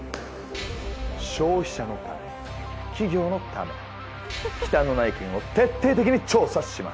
消費者のため企業のため忌憚のない意見を徹底的に調査します。